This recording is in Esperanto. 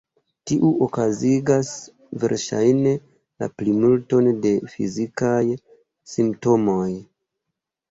Tiu okazigas verŝajne la plimulton de fizikaj simptomoj.